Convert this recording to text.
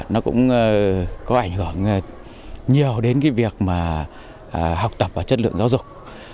nó cũng có ảnh hưởng nhiều đến việc học tập và chất lượng giáo dục